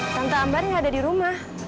tanpa ambar yang ada di rumah